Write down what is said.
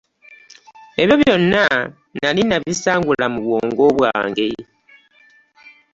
Ebyo byonna nali nabisangula mu bwongo bwange.